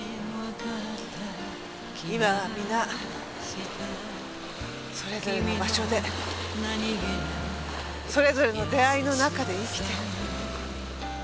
今は皆それぞれの場所でそれぞれの出会いの中で生きてる。